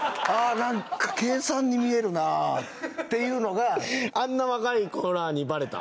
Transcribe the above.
なんか計算に見えるなっていうのがあんな若い子らにバレたん？